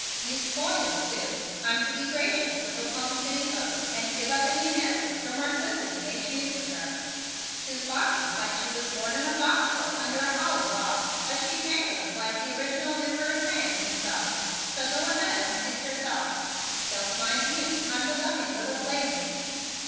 "You score with Sue. I'm to be the gracious little home city host and give up any dances your Marquisity may choose with her. Sue foxes like she was born in a fox hole under a hollow log, but she tangoes like the original Emperor Tang himself, so go ahead and suit yourself. Don't mind me. I'm the loving little playmate."